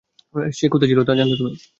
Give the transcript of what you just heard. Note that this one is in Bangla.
সে কোথায় ছিলো তা জানতে তুমি?